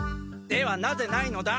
ではなぜないのだ？